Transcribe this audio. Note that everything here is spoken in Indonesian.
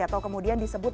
atau kemudian disebutnya